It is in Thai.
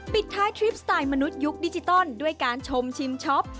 ปิดท้ายทริปสไตล์มนุษยุคดิจิตอลด้วยการชมชิมช็อป